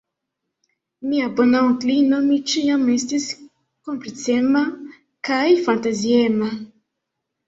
Mia bona onklino, mi ĉiam estis kapricema kaj fantaziema.